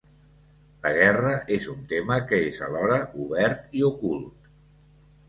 La guerra és un tema que és alhora obert i ocult.